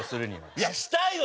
いやしたいよ！